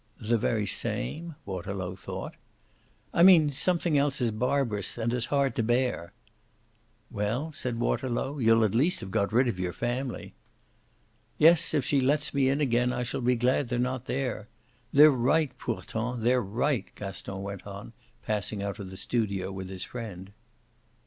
"The very same ?" Waterlow thought. "I mean something else as barbarous and as hard to bear." "Well," said Waterlow, "you'll at least have got rid of your family." "Yes, if she lets me in again I shall be glad they're not there! They're right, pourtant, they're right," Gaston went on, passing out of the studio with his friend.